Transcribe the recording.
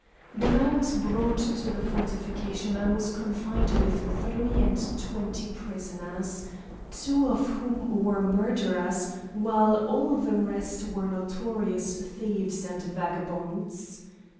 When I was brought to the fortification, I was confined with three and twenty prisoners, two of whom were murderers, while all the rest were notorious thieves and vagabonds.